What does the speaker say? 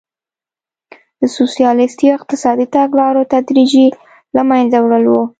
د سوسیالیستي اقتصادي تګلارو تدریجي له منځه وړل وو.